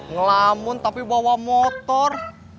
ngelamun tapi bawa motor